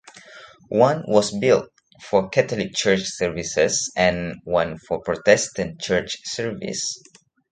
One was built for Catholic church services and one for Protestant church service.